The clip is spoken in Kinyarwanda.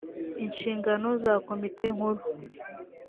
inshingano za komite nkuru